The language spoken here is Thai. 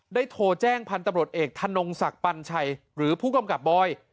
โทรแจ้งพันธุ์ตำรวจเอกธนงศักดิ์ปัญชัยหรือผู้กำกับบอย